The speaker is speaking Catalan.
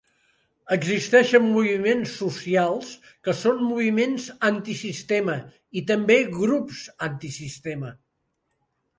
Existeixen moviments socials que són moviments antisistema i també grups antisistema.